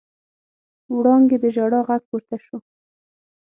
وړانګې د ژړا غږ پورته شو.